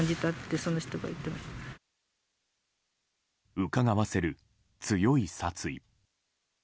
うかがわせる強い殺意。